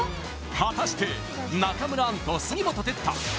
果たして中村アンと杉本哲太